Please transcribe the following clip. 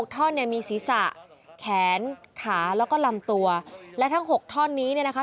ท่อนเนี่ยมีศีรษะแขนขาแล้วก็ลำตัวและทั้ง๖ท่อนนี้เนี่ยนะคะ